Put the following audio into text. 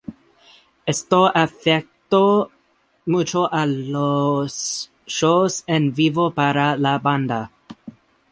Esto afectó mucho a los shows en vivo para la banda.